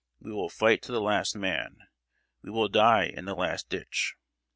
We will fight to the last man! We will die in the last ditch!"